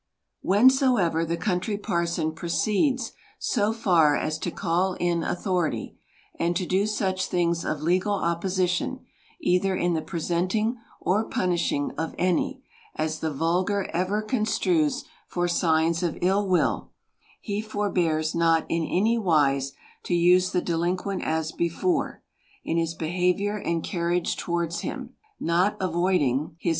Whensoever the Country Parson proceeds so far as to call in authority, and to do such things of legal opposi tion, either in the presenting or punishing of any, as the vulgar ever construes for signs of ill will, he forbears not in any wise to use the delinquent as before, in his behavior and carriage towards him, not avoiding his 56 THE COUNTRY PARSON.